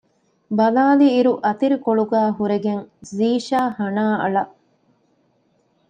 ބަލާލިއިރު އަތިރިކޮޅުގައި ހުރެގެން ޒީޝާ ހަނާ އަޅަ